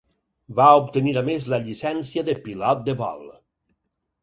Va obtenir a més la llicència de pilot de vol.